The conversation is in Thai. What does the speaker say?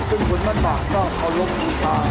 จึงคุณบ้านบาทเคารพรูชา